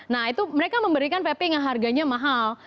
nah itu mereka memberikan papping yang harganya mahal